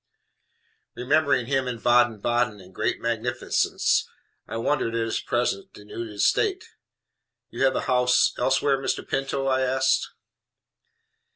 Remembering him in Baden Baden in great magnificence I wondered at his present denuded state. "You have a house elsewhere, Mr. Pinto?" I said.